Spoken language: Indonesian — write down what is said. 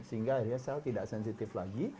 sehingga akhirnya sel tidak sensitif lagi